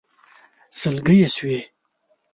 سلګۍ يې شوې.